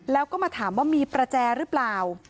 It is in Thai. แล้วก็มาถามว่ามีประแจหรือเปล่า